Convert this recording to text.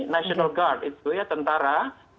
national guard itu ya tentara